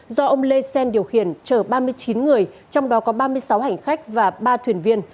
do ông lê xen điều khiển chở ba mươi chín người trong đó có ba mươi sáu hành khách và ba thuyền viên